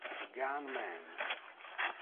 The Gun Man